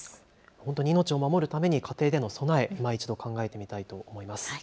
本当に命を守るために家庭での備え、いま一度考えてみたいと思います。